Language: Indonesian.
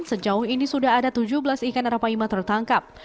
sejauh ini sudah ada tujuh belas ikan arapaima tertangkap